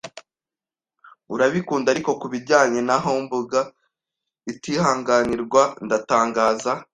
urabikunda. ” "Ariko kubijyanye na humbug itihanganirwa, ndatangaza I.